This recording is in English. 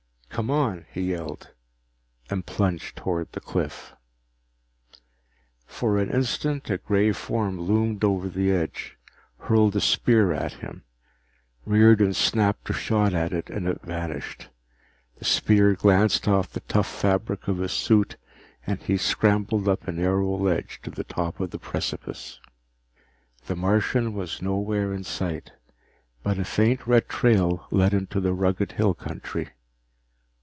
"Come on!" he yelled, and plunged toward the cliff. For an instant a gray form loomed over the edge, hurled a spear at him. Riordan snapped a shot at it, and it vanished. The spear glanced off the tough fabric of his suit and he scrambled up a narrow ledge to the top of the precipice. The Martian was nowhere in sight, but a faint red trail led into the rugged hill country.